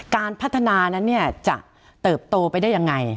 การพัฒนานั้นจะเติบโตไปได้ยังไง